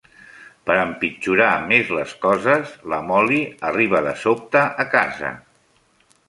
Per empitjorar més les coses, la Molly arriba de sobte a casa.